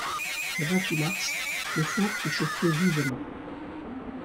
Le vingt-huit mars, le four fut chauffé vivement.